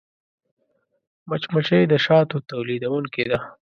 مچمچۍ د شاتو تولیدوونکې ده